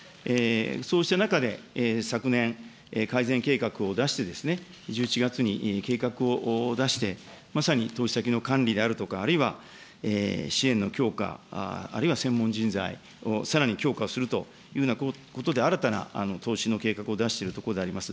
そうした中で、昨年、改善計画を出して、１１月に計画を出して、まさに投資先の管理であるとか、あるいは支援の強化、あるいは専門人材をさらに強化をするというようなことで、新たな投資の計画を出してるところであります。